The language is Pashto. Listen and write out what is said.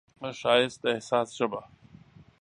ښایست د احساس ژبه ده